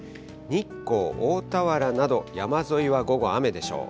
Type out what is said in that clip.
日光、大田原など、山沿いは午後、雨でしょう。